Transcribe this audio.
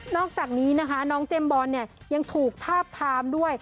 อกจากนี้นะคะน้องเจมส์บอลเนี่ยยังถูกทาบทามด้วย